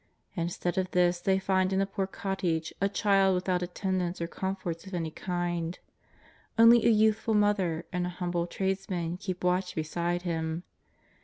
Instead of this they find in a poor cottage a child without attendants or com forts of any kind. Only a youthful mother and a humble tradesman keep watch beside Him.